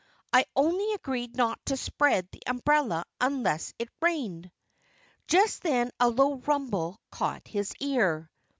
I only agreed not to spread the umbrella unless it rained." Just then a low rumble caught his ear.